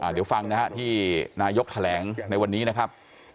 เดี๋ยวฟังนะฮะที่นายกแถลงในวันนี้นะครับ